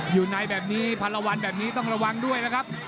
อยู่ในนี้ภารวรแบบนี้ต้องระวังด้วยนะครับ